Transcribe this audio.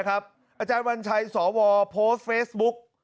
อาจารย์วัญชัยสวโพสต์เฟซบุ๊ก